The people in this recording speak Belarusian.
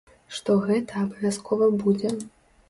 Што гэта абавязкова будзе.